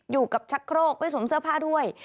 อยู่กับชักโครกไม่สมเสื้อผ้าด้วย